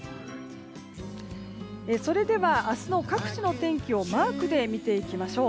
それでは、明日の各地の天気をマークで見ていきましょう。